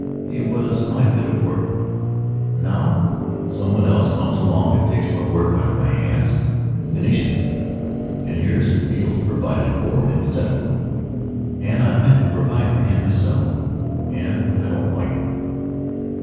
He was my bit of work, and now some one else comes along and takes my work out of my hands, and finishes it. And here's Beale provided for and settled. And I meant to provide for him myself. And I don't like it!"